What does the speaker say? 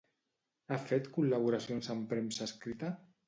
Ha fet col·laboracions amb premsa escrita?